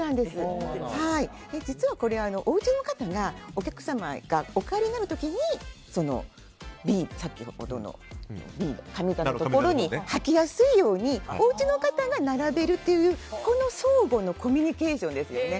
実はこれはおうちの方がお客様がお帰りになる時に上座のところに履きやすいようにおうちの方が並べるという、相互のコミュニケーションですよね。